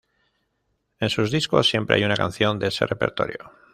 En sus discos siempre hay una canción de ese repertorio.